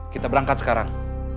kita berangkat sekarang